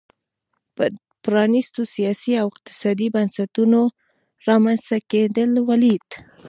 پرانیستو سیاسي او اقتصادي بنسټونو رامنځته کېدل ولیدل.